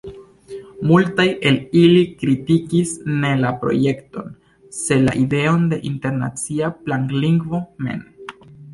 Multaj el ili kritikis ne la projekton, sed la ideon de internacia planlingvo mem.